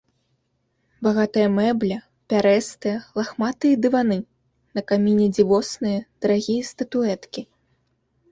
Багатая мэбля, пярэстыя, лахматыя дываны, на каміне дзівосныя, дарагія статуэткі.